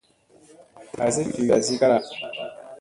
Asi fi wi tasi kala.